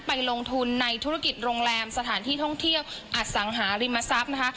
ไปลงทุนในธุรกิจโรงแรมสถานที่ท่องเที่ยวอสังหาริมทรัพย์นะคะ